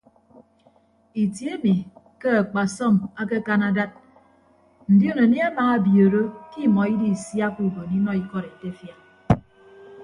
Itie emi ke akpasọm akekan adad ndion anie amabiooro ke imọ idisiakka ubon inọ ikọd etefia.